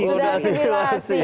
sudah asimilasi ya